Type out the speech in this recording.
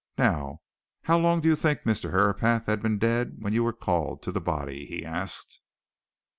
"Now, how long do you think Mr. Herapath had been dead when you were called to the body?" he asked.